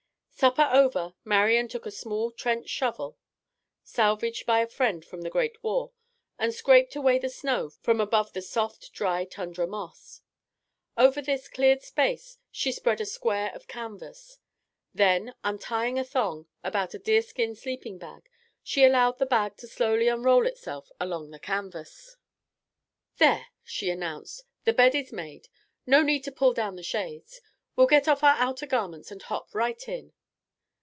Supper over, Marian took a small trench shovel, salvaged by a friend from the great war, and scraped away the snow from above the soft, dry tundra moss. Over this cleared space she spread a square of canvas. Then, untying a thong about a deerskin sleeping bag, she allowed the bag to slowly unroll itself along the canvas. "There," she announced, "the bed is made. No need to pull down the shades. We'll get off our outer garments and hop right in."